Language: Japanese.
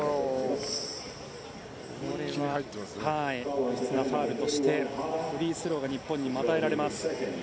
悪質なファウルとしてフリースローが日本に与えられます。